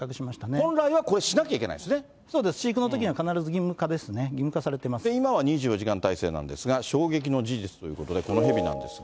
本来はこれ、しなきゃいけなそうです、飼育のときには必ず義務化です、今は２４時間体制なんですが、衝撃の事実ということで、このヘビなんですが。